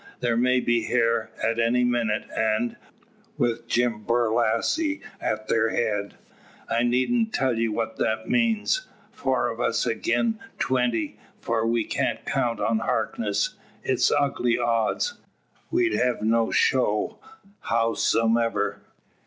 They may be hyar at any minnit; an', wi' Jim Borlasse at thar head, I needn't tell ye what that means. Four o' us agin twenty for we can't count on Harkness it's ugly odds. We'd hev no show, howsomever.